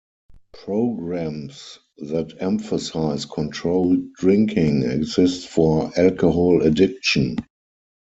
Programs that emphasize controlled drinking exist for alcohol addiction.